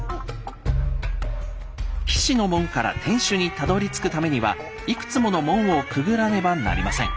菱の門から天守にたどりつくためにはいくつもの門をくぐらねばなりません。